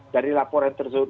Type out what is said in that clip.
dari laporan tersebut